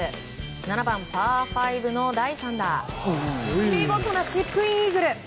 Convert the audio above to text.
７番、パー５の第３打見事なチップインイーグル。